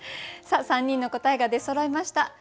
さあ３人の答えが出そろいました。